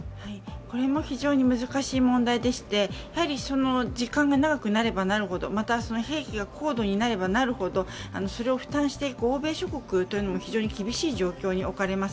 これも非常に難しい問題でして、時間が長くなればなるほどまた、兵器が高度になればなるほど、それを負担していく欧米諸国も非常に厳しい状況に置かれます。